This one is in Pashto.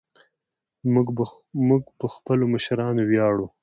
موږ په خپلو مشرانو ویاړو